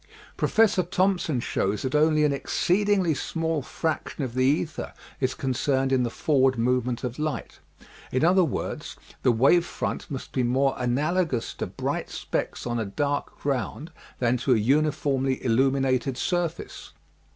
Professor Thomson shows that only an exceedingly small fraction of the ether is concerned in the for ward movement of light, in other '^ords, " the wave front must be more analogous to" bright specks on a dark ground than to a uniformly illuminated surface."